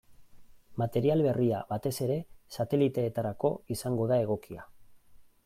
Material berria batez ere sateliteetarako izango da egokia.